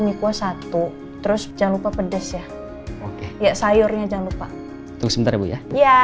mie kuah satu terus jangan lupa pedes ya ya sayurnya jangan lupa ya